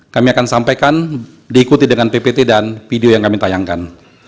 kami akan sampaikan diikuti dengan ppt dan video yang kami tayangkan